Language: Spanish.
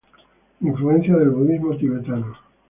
Influencia del budismo tibetano.